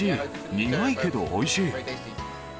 苦いけどおいしい。